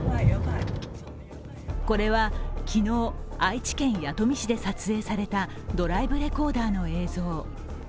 これは昨日、愛知県弥富市で撮影されたドライブレコーダーの映像。